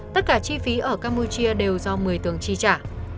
tất cả chi phí ở campuchia đều do mười tường chi trả